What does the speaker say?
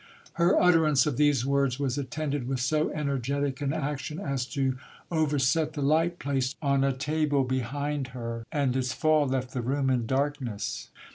Her utterance of these words was attended with so energetic an action, as to er; et the light placed on a table behind her, and its fall left the room in jrkness.